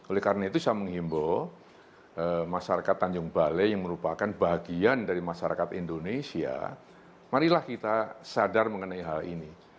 oleh karena itu saya menghimbau masyarakat tanjung balai yang merupakan bagian dari masyarakat indonesia marilah kita sadar mengenai hal ini